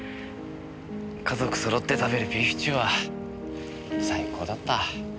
家族揃って食べるビーフシチューは最高だった。